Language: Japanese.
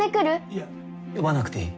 いや呼ばなくていい。